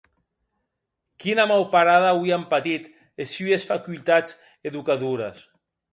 Quina mauparada auien patit es sues facultats educadores!